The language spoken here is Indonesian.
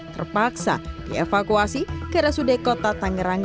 terpaksa dievakuasi ke rsud kota tangerang